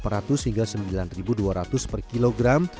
di kisaran delapan delapan ratus hingga sembilan dua ratus per kilogram